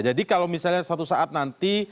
jadi kalau misalnya suatu saat nanti